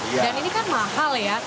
dan ini kan mahal ya